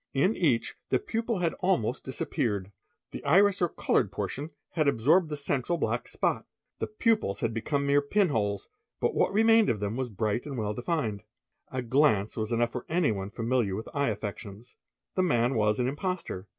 In each the pupil had almosi disappeared. The iris or coloured portion had absorbed the central blac spot. The pupils had become mere pinholes, but what remained of ther was bright and well defined. A glance was enough for anyone familié with eye affections. he man was an imposter.